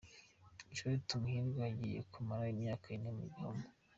Jolly Tumuhiirwe agiye kumara imyaka ine mu gihome.